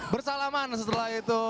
bersalaman setelah itu